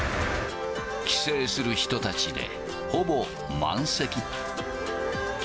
帰省する人たちでほぼ満席。